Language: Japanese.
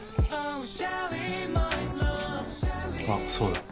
あっそうだ。